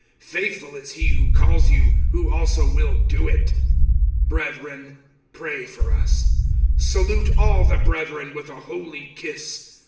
(24)Faithful is he who calls you, who also will do it. (25)Brethren, pray for us. (26)Salute all the brethren with a holy kiss.